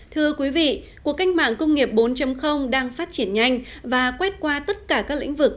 thưa quý vị cuộc cách mạng công nghiệp bốn đang phát triển nhanh và quét qua tất cả các lĩnh vực